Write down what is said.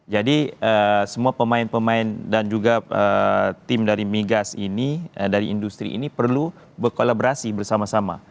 jadi semua pemain pemain dan juga tim dari migas ini dari industri ini perlu berkolaborasi bersama sama